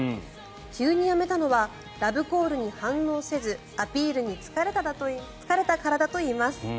急にやめたのはラブコールに反応せずアピールに疲れたからだといいます。